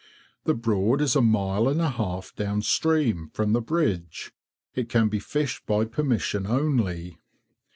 The Broad is a mile and a half down stream, from the bridge. It can be fished by permission only.